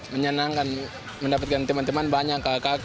menyenangkan mendapatkan teman teman banyak kakak kakak